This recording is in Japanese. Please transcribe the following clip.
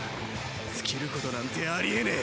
尽きることなんてありえねえ！